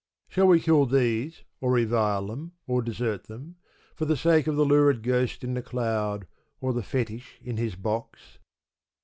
Shall we kill these, or revile them, or desert them, for the sake of the lurid ghost in the cloud, or the fetish in his box?